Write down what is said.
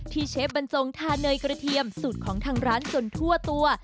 เชฟบรรจงทาเนยกระเทียมสูตรของทางร้านจนทั่วตัว